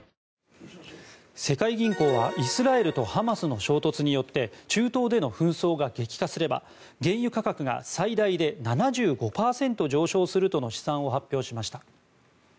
世界銀行はイスラエルとハマスの衝突によって中東での紛争が激化すれば原油価格が最大で７５％上昇するとの試算を発表しました。